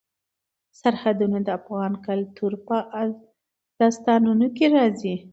سرحدونه د افغان کلتور په داستانونو کې راځي.